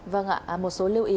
vâng ạ một số lưu ý